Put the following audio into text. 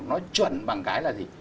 nó chuẩn bằng cái là gì